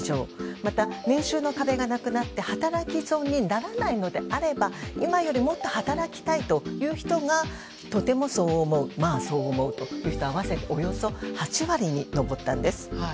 また、年収の壁がなくなって働き損にならないのであれば今よりもっと働きたいという人がとてもそう思うまあそう思うという人を合わせておよそ８割に上ったんです。